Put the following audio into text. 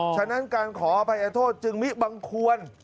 ฉะนั้นการขอพระศาสนธารอภัยโทษจึงมิบังควร